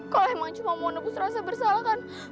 kalau emang cuma mau nebus rasa bersoal kan